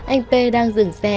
anh p đang dừng xe